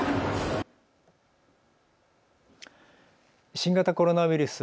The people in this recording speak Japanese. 新型コロナウイルス。